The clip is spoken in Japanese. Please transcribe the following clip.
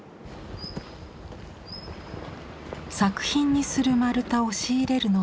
作品にする丸太を仕入れるのもこの場所。